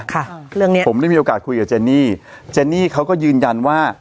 ค่ะเรื่องเนี้ยผมได้มีโอกาสคุยกับเจนี่เจนนี่เขาก็ยืนยันว่า